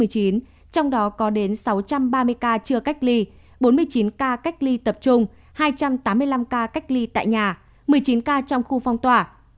trong đó có đến sáu trăm ba mươi ca chưa cách ly bốn mươi chín ca cách ly tập trung hai trăm tám mươi năm ca cách ly tại nhà một mươi chín ca trong khu phong tỏa